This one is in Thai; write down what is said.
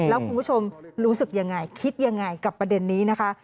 แล้วคุณผู้ชมรู้สึกยังไงคิดยังไงกับประเด็นนี้นะคะ